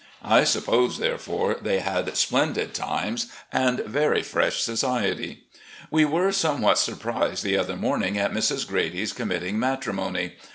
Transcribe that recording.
I suppose, therefore, they had 'splendid times' and very fresh society. We were somewhat surprised the other morning at Mrs. Grady's committing matrimony.